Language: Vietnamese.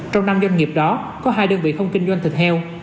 trong năm doanh nghiệp đó có hai đơn vị không kinh doanh thịt heo